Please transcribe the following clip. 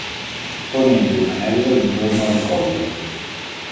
Ponendo un anello intorno al collo.